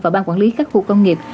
và ban quản lý các khu công nghiệp